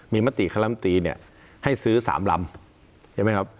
มีมรติคณะรัฐบุนตีเนี่ยให้ซื้อ๓ลำ